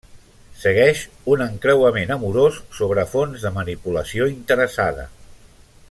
Segueix un encreuament amorós sobre fons de manipulació interessada.